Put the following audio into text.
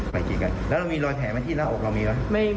ไปกินกันแล้วมีรอยแถมที่หน้าอกเรามีหรือ